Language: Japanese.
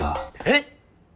えっ？